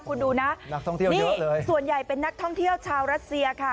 คุณดูนะนักท่องเที่ยวเยอะเลยส่วนใหญ่เป็นนักท่องเที่ยวชาวรัสเซียค่ะ